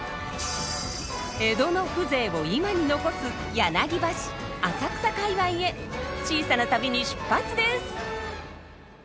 江戸の風情を今に残す柳橋・浅草界隈へ小さな旅に出発です！